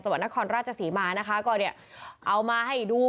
จังหวัดนครราชสีมานะคะก็เอามาให้ดู